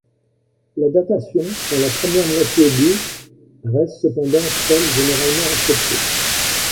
La datation dans la première moitié du reste cependant celle généralement acceptée.